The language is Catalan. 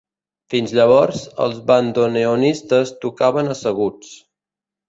Fins llavors, els bandoneonistes tocaven asseguts.